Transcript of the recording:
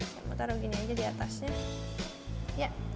saya mau taruh gini aja di atasnya